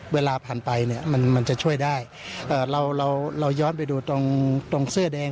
เวลาผ่านไปครึ่งมันจะช่วยได้เราย้อนไปดูตรงเสื้อแดง